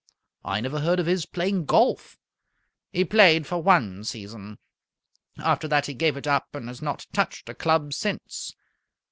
"I never heard of his playing golf." "He played for one season. After that he gave it up and has not touched a club since.